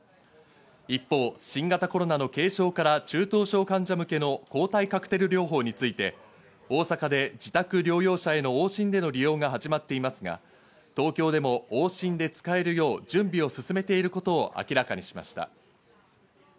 一方、新型コロナの軽症から中等症患者向けの抗体カクテル療法について大阪で自宅療養者への往診での利用が始まっていますが、東京でも往診で使えるよう準備を進めていることを明らかにしました。